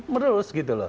merus gitu loh